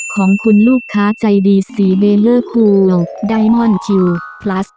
ของคุณลูกค้าใจดีสีเบลเลอร์คูลไดมอนด์คิวพลัส